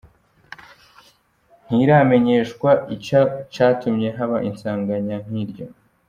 Ntiramenyeshwa ico catumye haba isanganya nk'iryo.